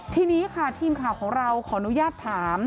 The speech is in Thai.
ทีนี้ค่ะทีมข่าวของเราขออนุญาตถาม